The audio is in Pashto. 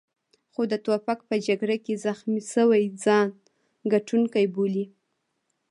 خو د توپک په جګړه کې زخمي شوي ځان ګټونکی بولي.